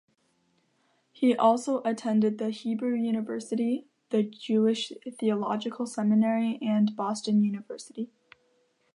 He also attended The Hebrew University, the Jewish Theological Seminary and Boston University.